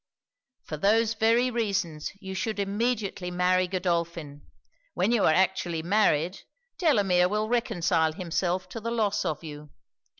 'For those very reasons you should immediately marry Godolphin. When you are actually married, Delamere will reconcile himself to the loss of you.